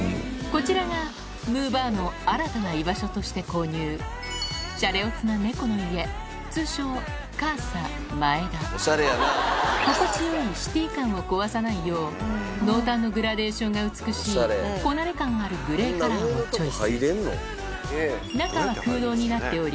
こちらがむぅばあの新たな居場所として購入シャレオツな猫の家通称心地よいシティー感を壊さないよう濃淡のグラデーションが美しいこなれ感があるグレーカラーをチョイス